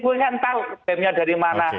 gue nggak tahu stemnya dari mana